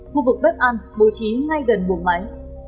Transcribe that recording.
khu vực bếp ăn bố trí ngay gần buồng máy